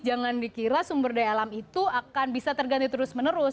jangan dikira sumber daya alam itu akan bisa terganti terus menerus